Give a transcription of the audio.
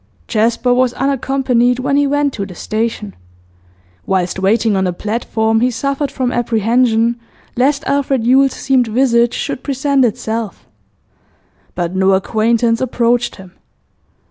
Jasper was unaccompanied when he went to the station. Whilst waiting on the platform, he suffered from apprehension lest Alfred Yule's seamed visage should present itself; but no acquaintance approached him.